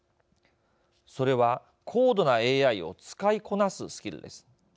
それは高度なＡＩを使いこなすスキルです。